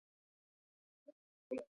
دښتې د افغانستان په هره برخه کې موندل کېږي.